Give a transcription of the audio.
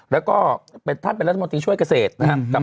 แล้วก็ท่านเป็นรัฐมนตรีช่วยเกษตรนะครับ